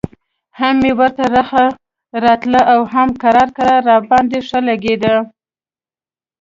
هم مې ورته رخه راتله او هم کرار کرار راباندې ښه لګېده.